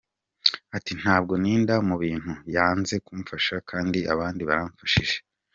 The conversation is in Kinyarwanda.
Ati « Ntabwo ntinda mu bintu, yanze kumfasha kandi abandi baramfashije.